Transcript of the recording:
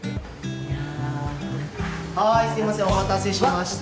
はいすいませんお待たせしました。